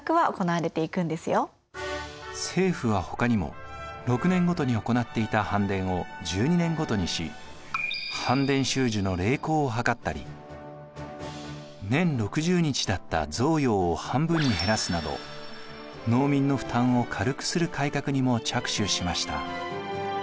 政府はほかにも６年ごとに行っていた班田を１２年ごとにし班田収授の励行を図ったり年６０日だった雑徭を半分に減らすなど農民の負担を軽くする改革にも着手しました。